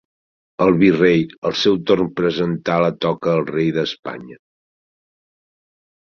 El virrei, al seu torn presentar la toca al Rei d'Espanya.